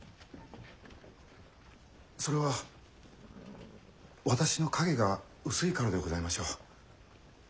それは私の影が薄いからでございましょう。